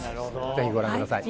ぜひご覧ください。